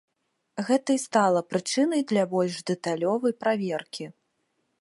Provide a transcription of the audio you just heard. Гэта і стала прычынай для больш дэталёвай праверкі.